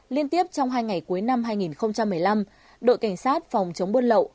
liên tiếp trong hai ngày cuối năm hai nghìn một mươi năm đội cảnh sát phòng chống buôn lậu